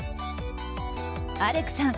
アレクさん